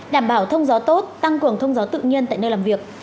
đảm bảo thông gió tốt tăng cường thông gió tự nhiên tại nơi làm việc